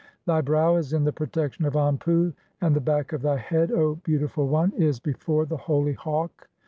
Thy brow is in "the protection of Anpu ; and the back of thy head, O beauti "ful one, (8) is before the holy Hawk.